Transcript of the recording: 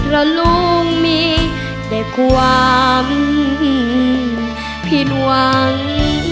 เราลูกมีแต่ความผิดหวัง